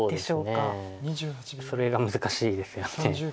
それが難しいですよね。